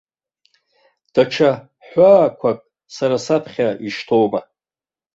Даҽа ҳәаақәак сара саԥхьа ишьҭоума?